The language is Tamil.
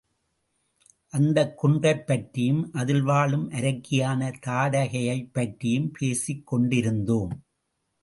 அந்தக் குன்றைப் பற்றியும் அதில் வாழும் அரக்கியான தாடகையைப் பற்றியும் பேசிக்கொண்டிருந்தோம்.